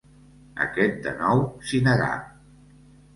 Aquest de nou s'hi negà.